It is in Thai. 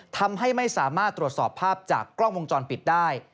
ทำให้ไม่สามารถตรวจสอบภาพจากกล้องวงจรปิดได้